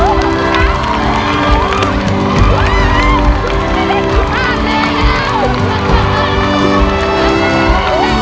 ร้องร้อง